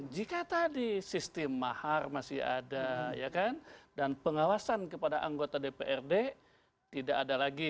jika tadi sistem mahar masih ada dan pengawasan kepada anggota dprd tidak ada lagi